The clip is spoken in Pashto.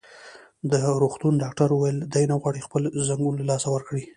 د روغتون ډاکټر وویل: دی نه غواړي خپل ځنګون له لاسه ورکړي.